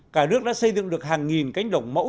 cả nước đã xây dựng được hàng nghìn cánh đồng mẫu